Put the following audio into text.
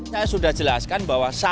saya sudah jelaskan bahwa